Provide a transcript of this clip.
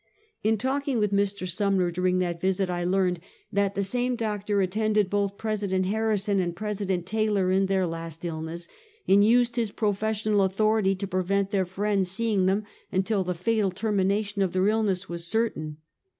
In talking with Mr. Sumner during that visit, I learned that the same doctor attended both President Harrison and President Taylor in their last illness, and used his professional authority to prevent their friends seeing them until the fatal termination of their illness was certain.